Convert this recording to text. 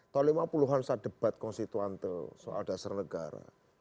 tahun lima puluh an saya debat konstituante soal dasar negara